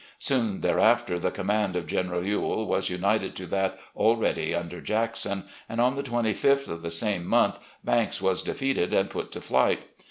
Soon thereafter, the command of General Ewell was tinited to that already under Jackson, and on the 25th of the same month Banks was defeated and put to flight.